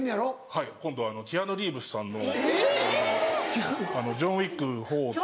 はい今度キアヌ・リーブスさんの『ジョン・ウィック４』という。